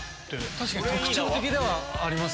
確かに特徴的であります。